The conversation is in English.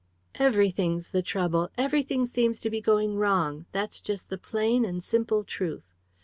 "Everything's the trouble! Everything seems to be going wrong; that's just the plain and simple truth.